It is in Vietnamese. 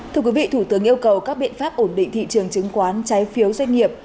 thưa quý vị thủ tướng yêu cầu các biện pháp ổn định thị trường chứng khoán trái phiếu doanh nghiệp